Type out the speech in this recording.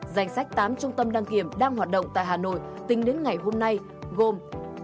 danh sách tám trung tâm đăng kiểm đang hoạt động tại hà nội tính đến ngày hôm nay gồm